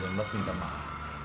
jangan minta mahal